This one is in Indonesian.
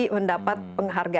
mendapat penghargaan anugerah